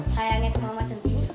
sayangnya ke mama centini